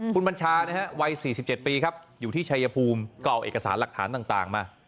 คุณบัญชานะฮะวัย๔๗ปีครับอยู่ที่ชายภูมิก็เอาเอกสารหลักฐานต่างมา